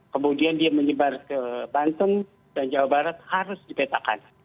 kemudian dia menyebar ke banten dan jawa barat harus dipetakan